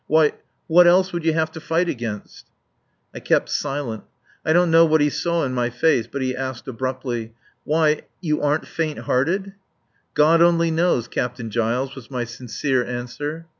Why what else would you have to fight against." I kept silent. I don't know what he saw in my face but he asked abruptly: "Why you aren't faint hearted?" "God only knows, Captain Giles," was my sincere answer.